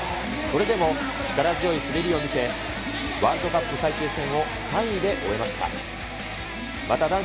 それでも力強い滑りを見せ、ワールドカップ最終戦を３位で終えました。